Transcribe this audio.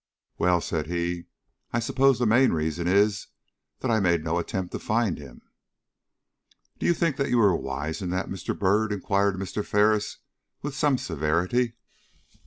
"Well," said he, "I suppose the main reason is that I made no attempt to find him." "Do you think that you were wise in that, Mr. Byrd?" inquired Mr. Ferris, with some severity.